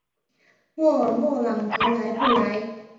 沃尔默朗格莱布莱。